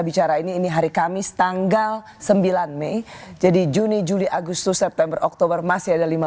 bicara ini ini hari kamis tanggal sembilan mei jadi juni juli agustus september oktober masih ada lima